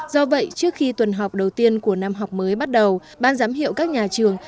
do vậy trước khi tuần học đầu tiên của năm học mới bắt đầu ban giám hiệu các nhà trường